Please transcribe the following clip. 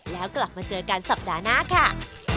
แล้วกลับมาเจอกันสัปดาห์หน้าค่ะ